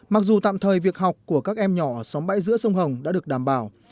mặc dù tạm thời việc học của các em nhỏ sóng bãi giữa sông hồng đã được đảm bảo